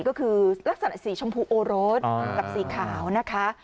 ก็คือสีชมพูโอโรสกับสีขาวนะคะ